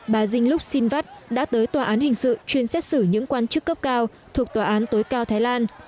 bà dinh luc sinvat đã tới tòa án hình sự chuyên xét xử những quan chức cấp cao thuộc tòa án tối cao thái lan